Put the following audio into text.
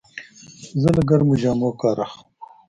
زه له ګرمو جامو کار اخلم.